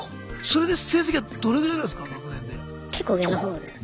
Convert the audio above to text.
それで成績はどれぐらいなんですか？